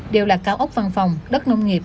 đều là cao ốc văn phòng đất nông nghiệp